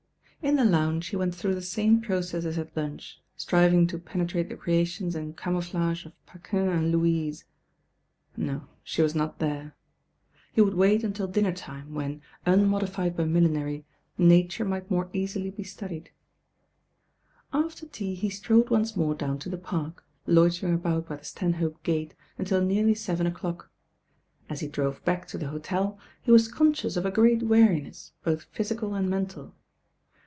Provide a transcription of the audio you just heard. In the lounge he went through the same process as at lunch, striving to penetrate the creations and camouflages of Paquin and Louise. No, she was not there. He would wait until dinner time when, unmodified by miUinery, Nature might more easily be studied. After tea he strolled once more down to the Park loitering about by the Stanhope Gate until nearl)? seven o clock. As he drove back to the hotel, he was conscious of a great weariness both physical and mental.